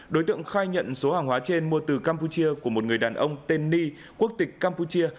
đối tượng khai nhận số hàng hóa trên mua từ campuchia của một người đàn ông tên ni quốc tịch campuchia